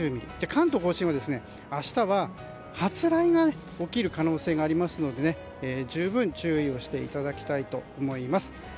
関東・甲信は明日は発雷が起きる可能性がありますので十分注意をしていただきたいと思います。